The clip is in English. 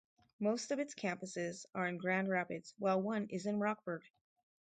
Most of its campuses are in Grand Rapids while one is in Rockford.